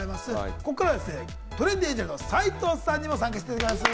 ここからはトレンディエンジェルの斎藤さんにも参加していただきます。